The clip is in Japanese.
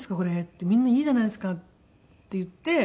みんな「いいじゃないですか」って言って「そう？」